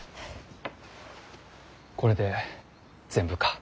これで全部か。